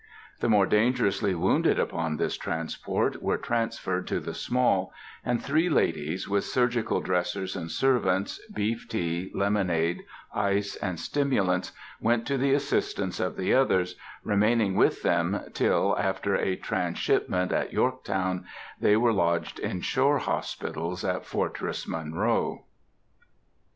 The more dangerously wounded upon this transport were transferred to the Small, and three ladies, with surgical dressers and servants, beef tea, lemonade, ice, and stimulants, went to the assistance of the others, remaining with them till, after a transshipment at Yorktown, they were lodged in shore hospitals at Fortress Monroe.